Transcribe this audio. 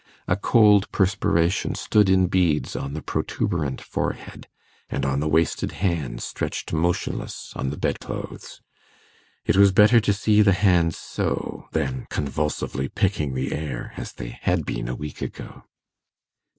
A cold perspiration stood in beads on the protuberant forehead, and on the wasted hands stretched motionless on the bed clothes. It was better to see the hands so, than convulsively picking the air, as they had been a week ago.